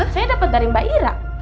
saya dapat dari mbak ira